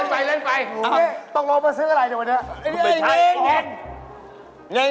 ต้องลองมาซื้อกันอะไรดีกว่านี้